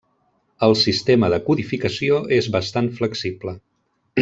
El sistema de codificació és bastant flexible.